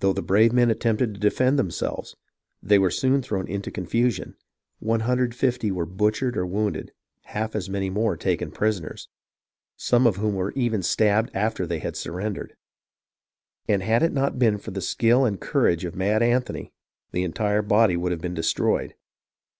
Though the brave men attempted to defend themselves, they were soon thrown into confusion, 150 were butchered or wounded, half as many more taken prisoners, — some of whom were even stabbed after they had surrendered, — and had it not been for the skill and courage of Mad Anthony, the entire body would have been destroyed.